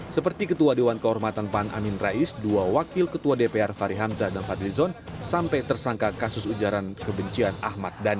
seperti ketua dewan kehormatan pan amin rais dua wakil ketua dpr fahri hamzah dan fadlizon sampai tersangka kasus ujaran kebencian ahmad dhani